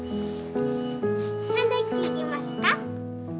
サンドイッチいりますか？